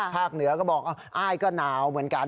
เหนือก็บอกอ้ายก็หนาวเหมือนกัน